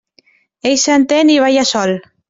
Ell s'entén i balla sol.